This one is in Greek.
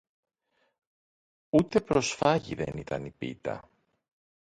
Ούτε προσφάγι δεν ήταν η πίτα!